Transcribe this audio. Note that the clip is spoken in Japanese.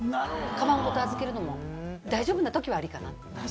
かばんは預けるのも大丈夫な時はありかなって。